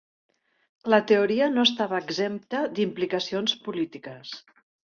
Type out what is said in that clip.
La teoria no estava exempta d'implicacions polítiques.